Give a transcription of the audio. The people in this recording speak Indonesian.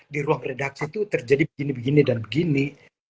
di ruang redaksi itu terjadi begini begini dan begini